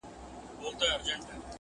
په جنګ وتلی د ټولي مځکي!.